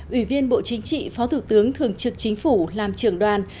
ủy viên bộ chính trị phó thủ tướng thường trực chính phủ làm trưởng đoàn